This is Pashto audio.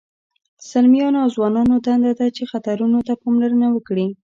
د ځلمیانو او ځوانانو دنده ده چې خطرونو ته پاملرنه وکړي.